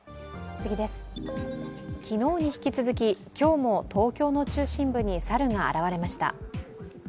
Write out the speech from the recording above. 昨日に引き続き今日も東京の中心部に猿が現れました。